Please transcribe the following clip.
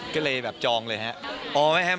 ก็เลยแบบจองเลยครับ